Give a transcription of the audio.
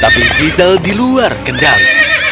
tapi zizzle diluar kendali